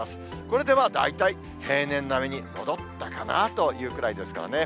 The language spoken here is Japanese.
これでまあ、大体平年並みに戻ったかなというくらいですからね。